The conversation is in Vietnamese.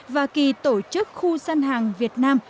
và kỳ tổ chức khu gian hàng việt nam